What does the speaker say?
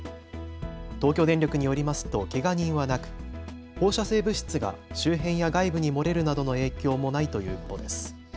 東京電力によりますとけが人はなく放射性物質が周辺や外部に漏れるなどの影響もないということです。